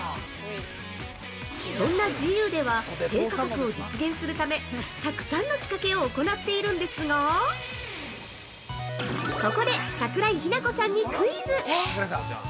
そんなＧＵでは低価格を実現するためたくさんの仕掛けを行なっているんですがここで桜井日奈子さんにクイズ！